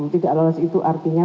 tidak lolos itu artinya